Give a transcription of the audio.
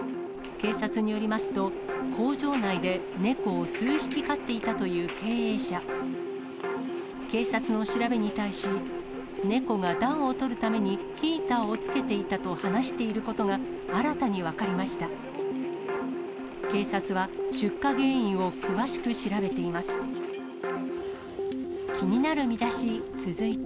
警察の調べに対し、猫が暖をとるために、ヒーターをつけていたと話していることが新たに分かりました。